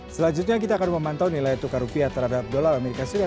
selanjutnya kita akan memantau nilai tukar rupiah terhadap dolar as